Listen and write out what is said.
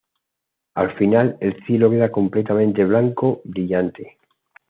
Al final, el cielo queda completamente blanco brillante.